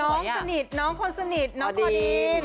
น้องสนิทน้องคนสนิทน้องพอดีน